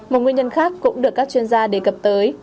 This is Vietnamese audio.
một nguyên nhân khác cũng được các chuyên gia đề cập tới